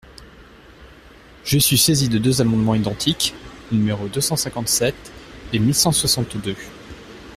Je suis saisi de deux amendements identiques, numéros deux cent cinquante-sept et mille cent soixante-deux.